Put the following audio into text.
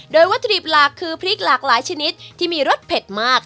โดยวัตถุดิบหลักคือพริกหลากหลายชนิดที่มีรสเผ็ดมาก